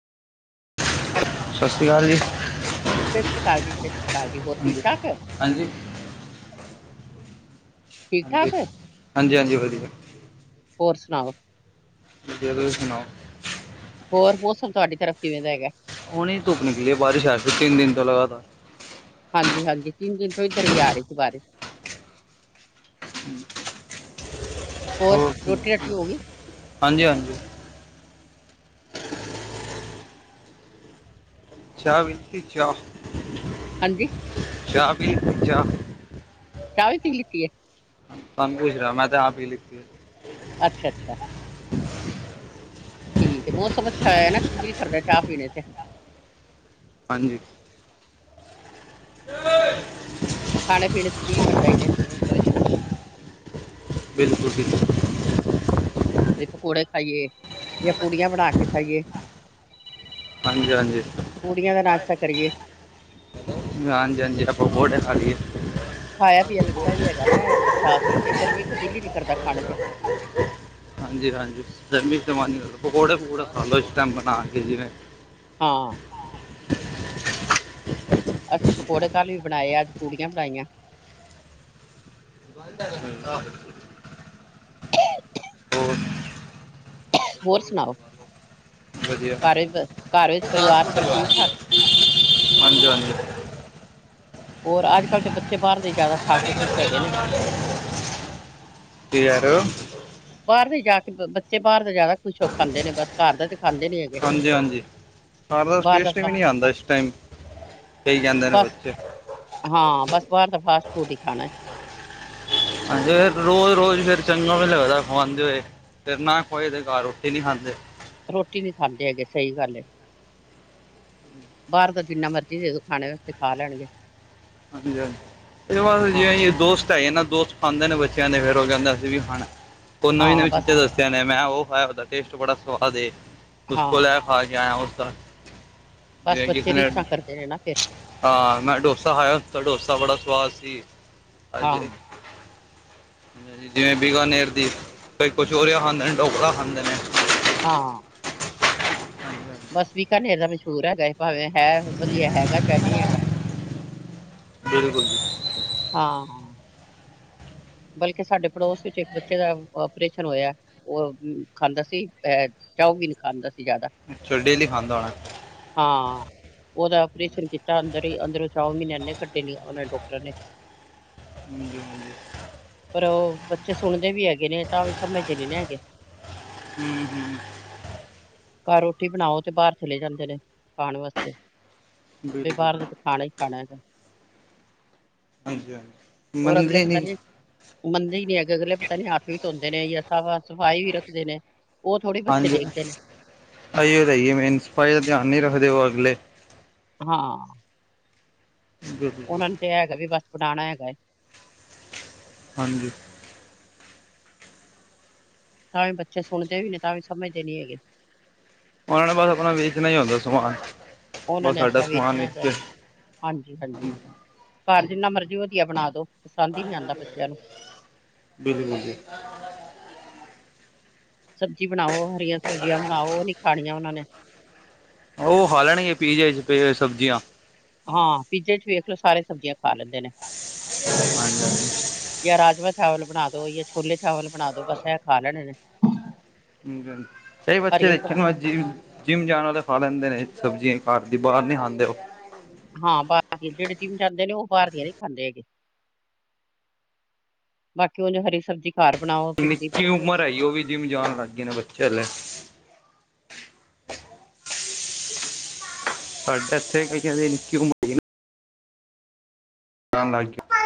Hello. ਸਾਸਰੀ ਕਾਲ ਜੀ। ਸ਼ਸ਼ੀ ਕਾਲ ਜੀ ਸ਼ਸ਼ੀ ਕਾਲ ਹੋਰ ਠੀਕ ਹਾਂਜੀ ਠਾਕ। ਹਾਂਜੀ। ਠੀਕ ਹਾਂਜੀ, ਠਾਕ, ਹਾਂਜੀ-ਹਾਂਜੀ ਵਧੀਆ। ਹੋਰ ਸੁਣਾਓ। ਵਧੀਆ ਤੁਸੀਂ ਸੁਣਾਓ। ਹੋਰ ਮੌਸਮ ਤੁਹਾਡੀ ਤਰਫ ਕਿਵੇਂ ਦਾ ਹੈਗਾ? ਹੁਣੇ ਹੀ ਧੁੱਪ ਨਿਕਲੀ ਏ ਬਾਰਿਸ਼ ਆ ਰੀ ਏ ਤਿੰਨ ਦਿਨ ਤੋਂ ਲਗਾਤਾਰ। ਹਾਂਜੀ-ਹਾਂਜੀ ਤਿੰਨ ਦਿਨ ਤੋਂ ਇੱਧਰ ਵੀ ਆ ਰਹੀ ਸੀ ਬਾਰਿਸ਼। [inaudible] ਹੋਰ, ਰੋਟੀ ਰਾਟੀ ਹੋ ਗਈ? ਹਾਂਜੀ-ਹਾਂਜੀ। ਚਾਹ ਪੀਤੀ ਚਾਹ? ਹਾਂਜੀ। ਚਾਹ ਪੀਲੀ ਤੁਸੀਂ ਚਾਹ? ਚਾਹ ਵੀ ਪੀ ਲਿੱਤੀ ਏ। ਤੁਆਨੂੰ ਪੁੱਛ ਰਿਹਾ ਮੈਂ ਤਾਂ ਆਪ ਹੀ ਲੀਤੀ ਏ। ਅੱਛਾ-ਅੱਛਾ। ਠੀਕ ਏ ਮੌਸਮ ਅੱਛਾ ਹੋਇਆ ਨਾ ਦਿਲ ਕਰਦਾ ਚਾਹ ਪੀਣੇ ਤੇ। ਹਾਂਜੀ। [inaudible] ਖਾਣੇ-ਪੀਣੇ ਤੇ ਦਿਲ ਕਰਦਾ [unintelligible] ਨਾ ਬਿਲਕੁਲ ਜੀ। ਕਦੇ ਪਕੌੜੇ ਖਾਈਏ ਯਾ ਪੂੜੀਆਂ ਬਣਾ ਕੇ ਖਾਈਏ। ਹਾਂਜੀ-ਹਾਂਜੀ। ਪੁੜੀਆਂ ਦਾ ਨਾਸ਼ਤਾ ਕਰੀਏ। ਹਾਂਜੀ-ਹਾਂਜੀ ਆਪਾਂ ਪਕੌੜੇ ਖਾ ਲੀਏ। ਖਾਇਆ ਪੀਆ ਲੱਗਦਾ ਵੀ ਹੈਗਾ ਨਾ ਐ ਬਰਸਾਤ ਵਿੱਚ ਗਰਮੀ ਤੇ ਦਿਲ ਈ ਨੀ ਕਰਦਾ ਖਾਣੇ ਤੇ। [inaudible] ਹਾਂਜੀ-ਹਾਂਜੀ ਗਰਮੀ ਚ ਤੇ ਮਨ ਨੀ ਕਰਦਾ। ਪਕੌੜੇ-ਪਕੁੜੇ ਖਾਲੋ ਇਸ ਟਾਈਮ ਬਣਾ ਕੇ ਜਿਵੇਂ ਹਾਂ। ਅਸੀਂ ਪਕੌੜੇ ਕੱਲ ਵੀ ਬਣਾਏ ਅੱਜ ਪੂੜੀਆਂ ਬਣਾਈਆਂ। [inaudible] ਹੋਰ ਹੋਰ ਸੁਣਾਓ ਵਧੀਆ ਘਰ ਵਿੱਚ ਘਰ ਵਿੱਚ ਪਰਿਵਾਰ ਸਭ ਹਾਂਜੀ ਠੀਕ-ਠਾਕ। ਹਾਂਜੀ ਹੋਰ ਅੱਜ ਕੱਲ੍ਹ ਤੇ ਬੱਚੇ ਬਾਰ ਦੇ ਜਾਦਾ ਖਾ ਕੇ ਖੁਸ਼ ਕੀ ਹੈਗੇ ਨੇ। ਤੇ ਯਾਰ ਬਾਰ ਦੇ ਜਾ ਕੇ ਬੱਚੇ ਬਾਰ ਦਾ ਜਾਦਾ ਖੁਸ਼ ਹੋ ਖਾਂਦੇ ਨੇ ਬਸ ਘਰ ਦਾ ਤਾਂ ਖਾਂਦੇ ਨੀ ਹੈਗੇ। ਹਾਂਜੀ-ਹਾਂਜੀ ਘਰ ਦਾ ਬਾਹਰ ਟੇਸਟ ਵੀ ਫਾ- ਨੀ ਆਂਦਾ ਇਸ ਟਾਈਮ। ਕਈ ਜਾਂਦੇ ਨੇ ਬਸ ਬੱਚੇ। ਹਾਂ ਬਸ ਬਾਰ ਦਾ ਫਾਸਟ ਫੂਡ ਈ ਖਾਣਾ। ਹਾਂਜੀ ਫ ਰੋਜ਼ ਰੋਜ਼ ਫੇਰ ਚੰਗਾ ਵੀ ਲੱਗਦਾ ਖਵਾਂਦੇ ਹੋਏ। ਤੇਰੇ ਨਾ ਖੋਹੇ ਦੇ ਘਰ ਰੋਟੀ ਨੀ ਖਾਂਦੇ। ਰੋਟੀ ਨੀ ਖਾਂਦੇ ਹੈਗੇ ਸਈ ਗੱਲ ਐ। ਬਾਰ ਦਾ ਜਿੰਨਾ ਮਰਜ਼ੀ ਦੇਦੋ ਖਾਣੇ ਵਾਸਤੇ ਖਾ ਲੈਣਗੇ। ਹਾਂਜੀ-ਹਾਂਜੀ ਇਦੇ ਬਾਸ ਹਾਂ [unintelligible] ਦੋਸਤ ਹੈਗੇ ਨਾ ਦੋਸਤ ਖਾਂਦੇ ਨੇ ਬੱਚਿਆਂ ਦੇ ਫਿਰ ਓ ਕੈਂਦਾ ਅਸੀ ਵੀ ਖਾਣਾ ਓ ਹਾਂ ਨਵੀਂ-ਨਵੀ ਬਸ ਚੀਜ਼ਾਂ ਦੱਸ ਦੇ ਨੇ ਮੈਂ ਓ ਖਾਇਆ ਓਦਾ ਟੇਸਟ ਬੜਾ ਸਵਾਦ ਏ ਉਸ ਹਾਂ ਕੋ ਲੈ [unintelligible] ਬਸ ਜਿਵੇਂ ਕਿਸੇ ਬੱਚੇ ਨੇ ਰੀਸਾਂ ਕਰਦੇ ਨੇ ਨਾ ਫਿਰ ਹਾਂ ਮੈਂ ਡੋਸਾ ਖਾਇਆ ਉਥੇ ਡੋਸਾ ਬੜਾ ਸਵਾਦ ਸੀ ਹਾਂ [unintelligible] ਜਿਵੇਂ ਬੀਗਾ ਨੇਰ ਦੀ ਕਈ ਕੁਛ ਹੋਰੈਵਖਾਂਦੇ ਨੇ ਢੋਕਲਾ ਖਾਂਦੇ ਨੇ। ਹਾਂ। ਹਾਂਜੀ ਹਾਂਜੀ ਬਸ ਵੀਕਨੇਰ ਦਾ ਮਸ਼ੂਰ ਹੈਗਾ ਏ ਭਾਵੇਂ ਹੈ ਵਧੀਆ ਹੈਗਾ ਸ਼ ਨਈ ਹੈਗਾ। ਬਿਲਕੁੱਲ। ਹਾਂ। ਬਲਕਿ ਸਾਡੇ ਪੜੋਸ ਵਿੱਚ ਇੱਕ ਬੱਚੇ ਦਾ ਆਪਓਰੇਸ਼ਨ ਹੋਇਆ। ਓ ਖਾਂਦਾ ਸੀ ਐ ਚੋਮਿਨ ਖਾਂਦਾ ਸੀ ਜਾਦਾ। ਅੱਛਾ ਡੇਲੀ ਖਾਂਦਾ ਹੋਣਾ। ਹਾਂ। ਓਦਾ ਆਪਓਪਰੇਸ਼ਨ ਕੀਤਾ ਅੰਦਰ ਈ ਅੰਦਰੋਂ ਚ ਮੀਨੇ ਇੰਨੇ ਕੱਢੇ ਲ ਓਨੇ ਡੋਕਟਰ ਨੇ। ਹਾਂਜੀ-ਹਾਂਜੀ ਪਰ ਓ ਬੱਚੇ ਸੁਣਦੇ ਵੀ ਹੈਗੇ ਨੇ ਤਾਂ ਵੀ ਸਮਝਦੇ ਨੀ ਨਾ ਹੈਗੇ। ਹਾਂਜੀ ਹੂੰ ਘਰ ਰੋਟੀ ਬਣਾਓ ਤੇ ਬਾਰ ਚਲੇ ਜਾਂਦੇ ਨੇ ਖਾਣ ਵਾਸਤੇ। ਹੂੰ ਵੀ ਬਿਲਕੁਲ ਬਾਰ ਜੀ ਦਾ ਤੇ ਖਾਣਾ ਈ ਖਾਣਾ। ਹਾਂਜੀ-ਹਾਂਜੀ ਔਰ ਅਗਲੇ ਮੰਨਦੇ ਪਤਾ ਨੀ ਮੰਨਦੇ ਈ ਨੀ ਅਗੇ ਅਗਲੇ ਪਤਾ ਨੀ ਹੱਥ ਵੀ ਧੋਂਦੇ ਨੇ ਯਾ ਸਭ ਸਫ਼ਾਈ ਵੀ ਰੱਖਦੇ ਨੇ ਉਹ ਥੋੜੇ ਬੱਚੇ ਦੇਖਦੇ ਨੇ। ਐਈਓ ਤੇ ਹੈਗੀ ਮੇਨ ਸਫਾਈ ਦਾ ਧਿਆਨ ਨਈ ਰੱਖਦੇ ਅਗਲੇ। ਹਾਂ ਬਿਲਕੁਲ ਉਹਨਾ ਨੂੰ ਤੇ ਹੈਗਾ ਵੀ ਬਸ ਬਣਾਣਾ ਹੈਗਾ ਏ। ਹਾਂਜੀ ਤਾਂ ਵੀ ਬੱਚੇ ਸੁਣਦੇ ਵੀ ਨੇ, ਤਾਂ ਵੀ ਸਮਝਦੇ ਨੀ ਹੈਗੇ। ਉਹਨਾਂ ਨੇ ਬਸ ਆਪਣਾ ਵੇਚਣਾ ਈ ਹੁੰਦਾ ਏ ਸਮਾਨ। ਉਹਨਾਂ ਬਸ ਨੇ ਸਾਡਾ ਆਪਣਾ ਸਮਾਨ ਵੇਚਣਾ ਵਿੱਚ ਹੈਗਾ। ਹਾਂਜੀ ਹਾਂਜੀ ਹਾਂਜੀ। ਘਾਰ ਜਿੰਨਾ ਮਰਜੀ ਵਧੀਆ ਬਣਾ ਦਓ ਪਸੰਦ ਈ ਨਈ ਆਉਂਦਾ ਬੱਚਿਆਂ ਨੂੰ। ਬਿੱਲ ਮੰਗਿਆ। ਸਬਜ਼ੀ ਬਣਾਓ ਹਰੀਆਂ ਸਬਜ਼ੀਆਂ ਬਣਾਓ ਉਹ ਨੀ ਖਾਣੀਆਂ ਉਹਨਾਂ ਨੇ। ਉਹ ਖਾ ਲੈਣਗੇ ਪੀਜੇ ਚ ਪੈ ਹੋਈ ਸਬਜੀਆਂ। ਹਾਂ ਪੀਜੇ ਚ ਵੇਖ ਲਓ ਸਾਰੇ ਸਬਜ਼ੀਆਂ ਖਾ ਲੈਂਦੇ ਨੇ, ਹਾਂਜੀ ਹਾਂਜੀ ਜਾਂ ਰਾਜਮਾ ਚ ਚਾਵਲ ਬਣਾ ਦੋ ਜਾਂ ਛੋਲੇ ਚਾਵਲ ਬਣਾ ਦੋ ਬਸ ਐਹ ਖਾ ਲੈਣੇ ਨੇ। ਕਈ ਬੱਚੇ ਹਰੀਆਂ ਦੇਖੇ ਨੇ ਸਬਜ਼ੀਆਂ ਮਰਜ਼ੀ ਜਿਮ ਜਾਣ ਵਾਲੇ ਖਾ ਲੈਂਦੇ ਨੇ ਸਬਜ਼ੀਆਂ ਘਰ ਦੀ ਬਾਹਰ ਨਈ ਖਾਂਦੇ ਉਹ। ਹਾਂ ਬਾਹਰ ਦੀਆਂ, ਜਿਹੜੇ ਜਿਮ ਜਾਂਦੇ ਨੇ ਉਹ ਬਾਹਰ ਦੀਆਂ ਨੀ ਖਾਂਦੇ ਹੈਗੇ। ਬਾਕੀ ਉਨੇ ਹਰੀ ਸਬਜ਼ੀ ਘਾਰ ਬਣਾਓ। ਭਿੰਡੀ ਨਿੱਕੀ ਉਮਰ ਹੈਗੀ ਉਹ ਵੀ ਜਿੰਮ ਜਾਣ ਲੱਗ ਗਏ ਨੇ ਬੱਚੇ ਹਲੇ। ਸਾਡੇ ਇੱਥੇ ਹੈਗੇ ਐ ਉਹਦੀ ਨਿੱਕੀ ਉਮਰ ਹੈਗੀ ਜਾਣ ਲੱਗੇ।